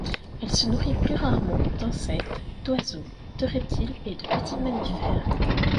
Elle se nourrit plus rarement d'insectes, d'oiseaux, de reptiles et de petits mammifères.